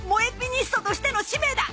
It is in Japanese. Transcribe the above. ニストとしての使命だ！